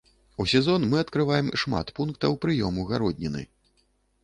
У сезон мы адкрываем шмат пунктаў прыёму гародніны.